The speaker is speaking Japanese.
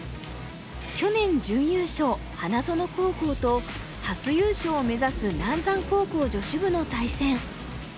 去年準優勝花園高校と初優勝を目指す南山高校女子部の対戦。